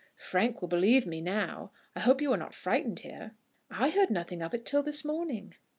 Frank will believe me now. I hope you were not frightened here." "I heard nothing of it till this morning."